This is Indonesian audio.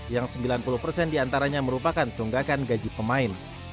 yang sembilan puluh persen diantaranya merupakan tunggakan gaji pemain